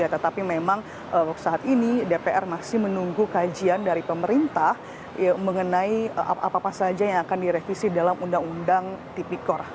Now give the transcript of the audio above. tetapi memang saat ini dpr masih menunggu kajian dari pemerintah mengenai apa apa saja yang akan direvisi dalam undang undang tipikor